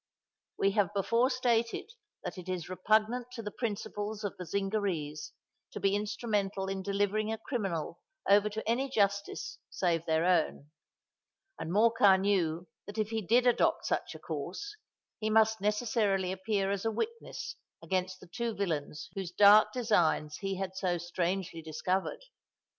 We have before stated that it is repugnant to the principles of the Zingarees to be instrumental in delivering a criminal over to any justice save their own; and Morcar knew that if he did adopt such a course, he must necessarily appear as a witness against the two villains whose dark designs he had so strangely discovered.